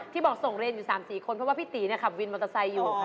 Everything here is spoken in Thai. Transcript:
บอกส่งเรียนอยู่๓๔คนเพราะว่าพี่ตีขับวินมอเตอร์ไซค์อยู่ค่ะ